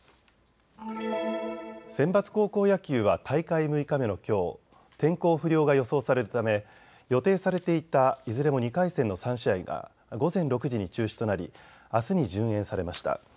センバツ高校野球は大会６日目のきょう天候不良が予想されるため予定されていたいずれも２回戦の３試合が午前６時に中止となりあすに順延されました。